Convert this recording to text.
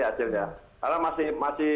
hasilnya karena masih